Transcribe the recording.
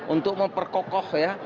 untuk memperkokoh ya